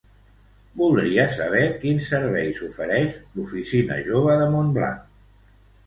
Voldria saber quins serveis ofereix l'oficina jove de Montblanc.